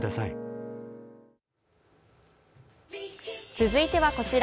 続いてはこちら。